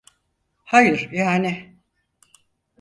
Hayır, yani…